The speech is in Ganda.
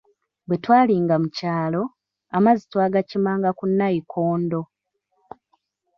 Bwetwalinga mu kyalo, amazzi twagakimanga ku nnayikondo.